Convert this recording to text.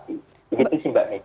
begitu sih mbak nita